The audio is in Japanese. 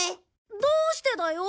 どうしてだよ！